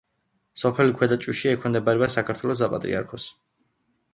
სოფელი ქვედა ჭყვიში ექვემდებარება საქართველოს საპატრიარქოს ნიკორწმინდის ეპარქიას.